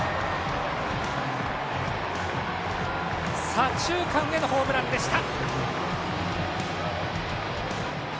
左中間へのホームランでした。